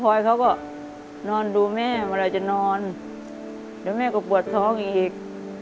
พอยเขาก็นอนดูแม่เวลาจะนอนเดี๋ยวแม่ก็ปวดท้องอีก